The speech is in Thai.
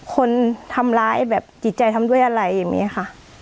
คนทำร้ายแบบจิตใจทำด้วยอะไรอย่างนี้ค่ะ